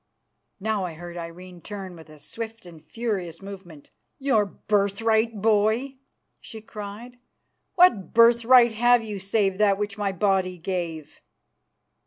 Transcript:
Now I heard Irene turn with a swift and furious movement. "Your birthright, boy," she cried. "What birthright have you save that which my body gave?"